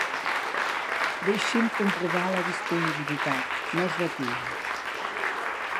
Deixi'm comprovar la disponibilitat, no es retiri.